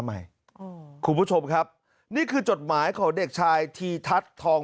ใหม่อืมคุณผู้ชมครับนี่คือจดหมายของเด็กชายธีทัศน์ทอง